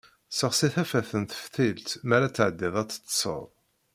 Sexsi tafat n teftilt mi ara tɛeddiḍ ad teṭṭseḍ.